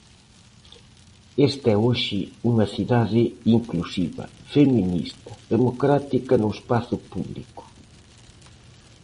Esta é hoxe unha cidade inclusiva, feminista, democrática no espazo público.